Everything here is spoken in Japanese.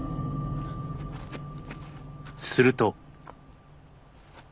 すると。